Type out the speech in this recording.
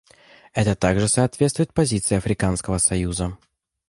Это также соответствует позиции Африканского союза.